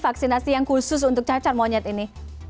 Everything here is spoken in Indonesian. vaksinasi yang khusus untuk cacar monyet ini